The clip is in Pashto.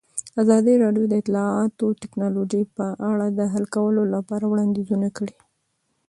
ازادي راډیو د اطلاعاتی تکنالوژي په اړه د حل کولو لپاره وړاندیزونه کړي.